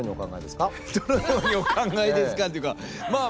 「どのようにお考えですか」っていうかまあ